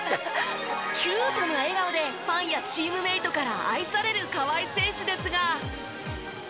キュートな笑顔でファンやチームメートから愛される川井選手ですが。